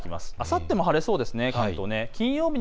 あさっても晴れそうですね。